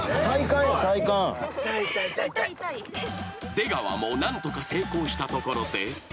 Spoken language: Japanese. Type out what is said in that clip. ［出川も何とか成功したところで］